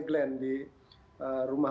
glenn di rumah